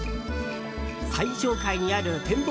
最上階にある展望